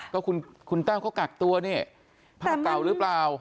ก็คุณแต้วเขากักตัวนี่ภาพเก่าหรือเปล่า